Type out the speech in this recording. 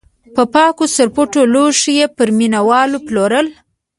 په پاکو سرپټو لوښیو یې پر مینه والو پلورل.